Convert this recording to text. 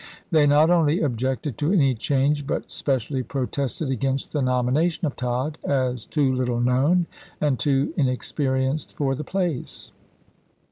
They not only objected Diary, to any change, but specially protested against the nomination of Tod as too little known and too inexperienced for the place.